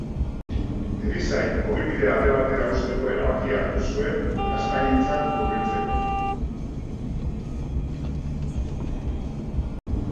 Erizain ogibidea alde batera uzteko erabakia hartu zuen gaztagintzan murgiltzeko.